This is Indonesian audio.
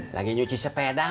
lagi nyuci sepeda